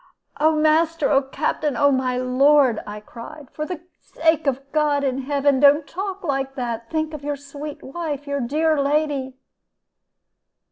"'Oh, master; oh, Captain; oh, my lord!' I cried; 'for the sake of God in heaven, don't talk like that. Think of your sweet wife, your dear lady.'